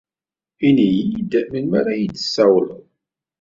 Ini-iyi-d melmi ara iyi-d-tessawleḍ.